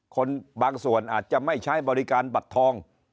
บางส่วนอาจจะไม่ใช้บริการบัตรทอง